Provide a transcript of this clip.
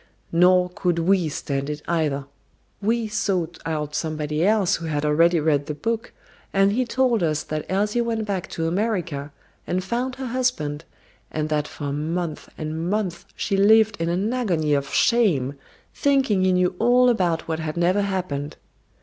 Nor could we stand it either. We sought out somebody else who had already read the book and he told us that Elsie went back to America and found her husband, and that for months and months she lived in an agony of shame, thinking he knew all about what had never happened.